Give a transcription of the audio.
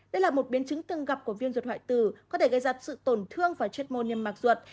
đây là một biến chứng từng gặp của viêm ruột hoại tử có thể gây ra sự tổn thương và chất môn niêm mạc ruột